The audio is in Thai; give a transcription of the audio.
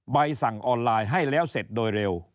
ใบสั่งออนไลน์ให้แล้วเสร็จโดยเร็ว